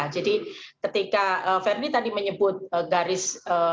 jadi ketika ferdi tadi menyebut garis